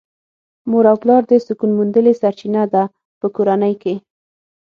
مور او پلار د سکون موندلې سرچينه ده په کورنۍ کې .